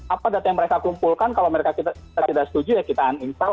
apa data yang mereka kumpulkan kalau mereka tidak setuju ya kita uninstall